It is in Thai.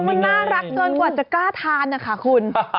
มันน่ารักเกินกว่าจะกล้าทานนะคะคุณ